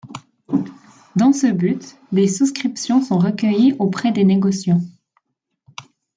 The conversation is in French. Dans ce but, des souscriptions sont recueillies auprès des négociants.